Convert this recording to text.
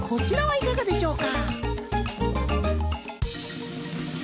いかがでしょうか？